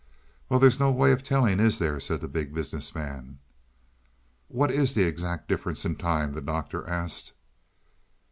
"Well, there's no way of telling, is there?" said the Big Business Man. "What is the exact difference in time?" the Doctor asked.